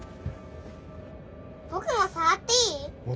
僕も触っていい？